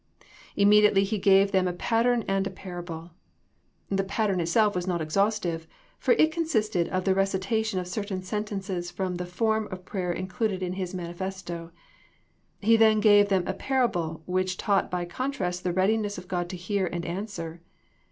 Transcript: Immedi ately He gave them a pattern and a parable. The pattern itself was not exhaustive, for it con sisted of the recitation of certain sentences from the form of prayer included in His Manifesto. He then gave them a parable which taught by contrast the readiness of God to hear and an swer.